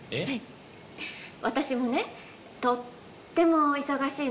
私もねとってもお忙しいのよね。